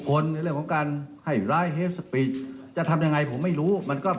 ข้อยุติใดทั้งสิ้น